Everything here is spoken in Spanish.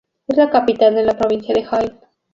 Es la capital de la Provincia de Hail.